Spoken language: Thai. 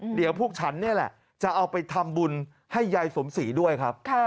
เดี๋ยวพวกฉันนี่แหละจะเอาไปทำบุญให้ยายสมศรีด้วยครับ